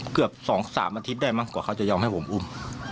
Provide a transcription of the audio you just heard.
เกือบ๒๓อาทิตย์ได้มั้งกว่าเขาจะยอมให้ผมอุ้ม